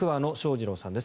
二郎さんです。